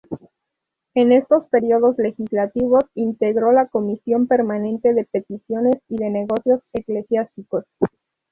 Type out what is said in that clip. En estos períodos legislativos integró la Comisión permanente de Peticiones y de Negocios Eclesiásticos.